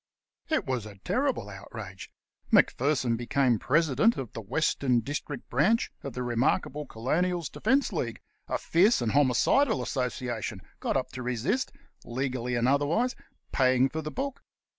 It was a terrible outrage. Macpherson became president of the Western District Branch of the "Remarkable Colonials" Defence League, a fierce and homicidal associa tion got up to resist, legally and otherwise, paying for the book.